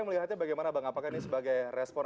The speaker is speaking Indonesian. melihatnya bagaimana bang apakah ini sebagai respon